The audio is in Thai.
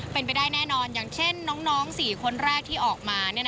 เป็นไปได้แน่นอนอย่างเช่นน้อง๔คนแรกที่ออกมา